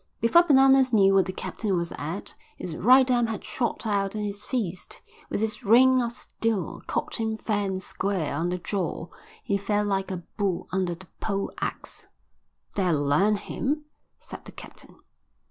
Before Bananas knew what the captain was at, his right arm had shot out and his fist, with its ring of steel, caught him fair and square on the jaw. He fell like a bull under the pole axe. "That'll learn him," said the captain.